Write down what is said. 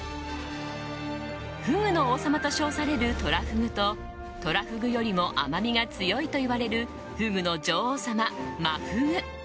フグの王様と称されるトラフグとトラフグよりも甘みが強いといわれるフグの女王様、真フグ。